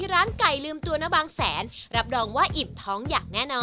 สวัสดีค่ะ